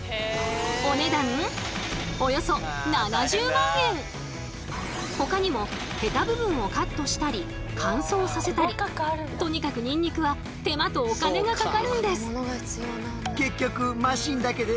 お値段ほかにもヘタ部分をカットしたり乾燥させたりとにかくニンニクは手間とお金がかかるんです。